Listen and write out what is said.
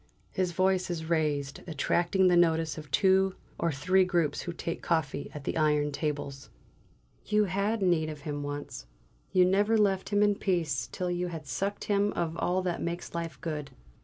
His voice is raised, attracting the notice of two or three groups who take coffee at the iron tables. "You had need of him once. You never left him in peace till you had sucked him of all that makes life good.